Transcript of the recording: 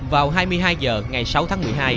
vào hai mươi hai h ngày sáu tháng một mươi hai